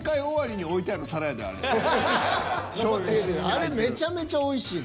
あれめちゃめちゃおいしい。